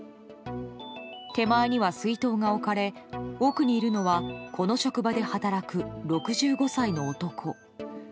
手前には水筒が置かれ奥にいるのはこの職場で働く６５歳の男。